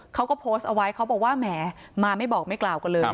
เขาก็โพสต์เอาไว้เขาบอกว่าแหมมาไม่บอกไม่กล่าวกันเลย